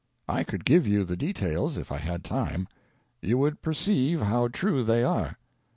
I could give you the details if I had time. You would perceive how true they are.